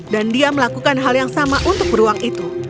dan dia melakukan hal yang sama untuk beruang itu